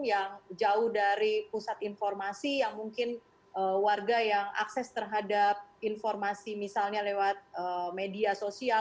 yang jauh dari pusat informasi yang mungkin warga yang akses terhadap informasi misalnya lewat media sosial